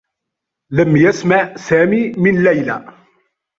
لم يسمع سامي من ليلى.